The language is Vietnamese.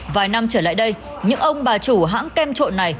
vài năm trở lại đây những ông bà chủ hãng kem trộn này